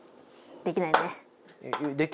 できないよ。